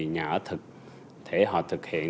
nhà ở thực thể họ thực hiện